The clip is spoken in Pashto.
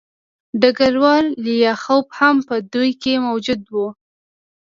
ډګروال لیاخوف هم په دوی کې موجود و